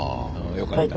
よかった。